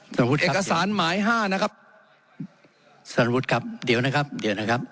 สำนพุทธครับเอกสารหมายห้านะครับสำนพุทธครับเดี๋ยวนะครับเดี๋ยวนะครับ